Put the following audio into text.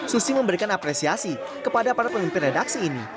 susi memberikan apresiasi kepada para pemimpin redaksi ini